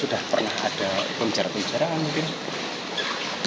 sudah pernah ada pembicaraan pembicaraan mungkin